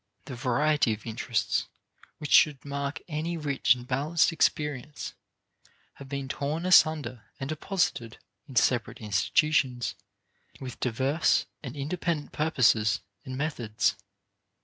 The variety of interests which should mark any rich and balanced experience have been torn asunder and deposited in separate institutions with diverse and independent purposes and methods.